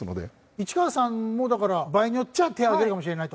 市川さんもだから場合によっちゃあ手を挙げるかもしれないと。